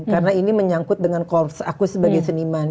karena ini menyangkut dengan kursus aku sebagai seniman